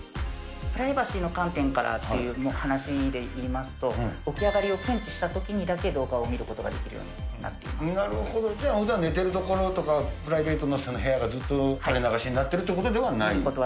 プライバシーの観点からという話でいいますと、起き上がりを検知したときにだけ動画を見ることができるようにななるほど、じゃあ、寝てるところとか、プライベートの部屋がずっと垂れ流しになってるということではないと。